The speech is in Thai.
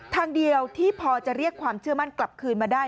ทางเดียวที่พอจะเรียกความเชื่อมั่นกลับคืนมาได้